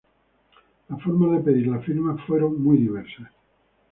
Las formas de pedir las firmas fueron muy diversas.